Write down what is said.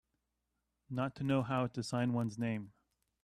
Not to know how to sign one's name.